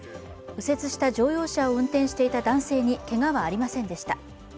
右折した乗用車を運転していた男性にけがはありませんでした。